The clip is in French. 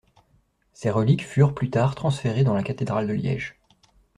Ses reliques furent plus tard transférées dans la cathédrale de Liège.